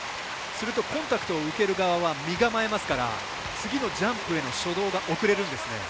すると、コンタクトを受ける側は身構えますから次のジャンプへの初動が遅れるんですね。